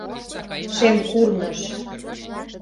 Шем курныж!